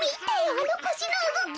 あのこしのうごき。